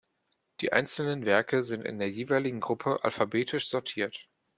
Die einzelnen Werke sind in der jeweiligen Gruppe alphabetisch sortiert.